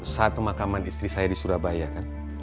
saat pemakaman istri saya di surabaya kan